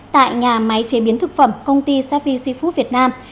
tại nhà máy chế biến thực phẩm công ty safi seafood việt nam